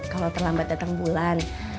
kalau terlambat datang bulan